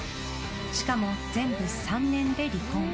しかも全部３年で離婚。